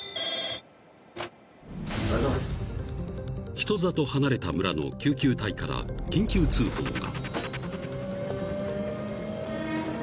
☎［人里離れた村の救急隊から緊急通報が］